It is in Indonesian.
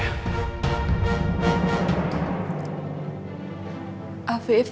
aku gak peduli